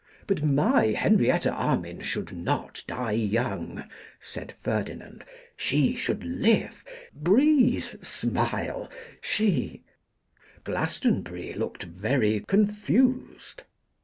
'But my Henrietta Armine should not die young,' said Ferdinand. 'She should live, breathe, smile: she ' Glastonbury looked very confused.